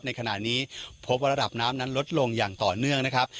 ในขณะนี้พบว่าระดับน้ำนั้นลดลงอย่างต่อเนื่องนะครับ